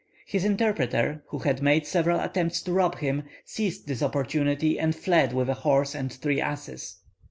His interpreter, who had made several attempts to rob him, seized this opportunity, and fled with a horse and three asses.